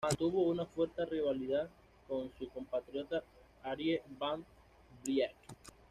Mantuvo una fuerte rivalidad con su compatriota Arie van Vliet.